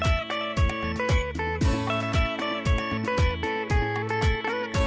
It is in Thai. ใช้ผ่านทางนี้แล้วก็ยังได้